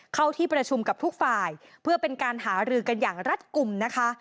เข้าที่ประชุมกับทุกฝ่ายเพื่อเป็นการหารือกันอย่างรัฐกลุ่มนะคะ